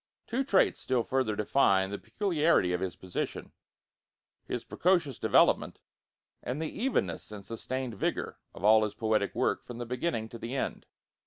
Two traits still further define the peculiarity of his position his precocious development, and the evenness and sustained vigor of all his poetic work from the beginning to the end.